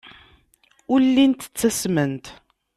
Ur llint ttasment.